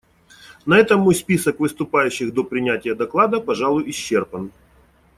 На этом мой список выступающих до принятия доклада, пожалуй, исчерпан.